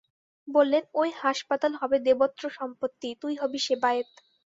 বললেন, ঐ হাঁসপাতাল হবে দেবত্র সম্পত্তি, তুই হবি সেবায়েত।